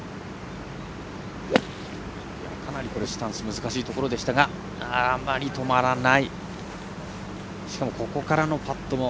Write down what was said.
スタンス難しいところでしたがやはり止まらない。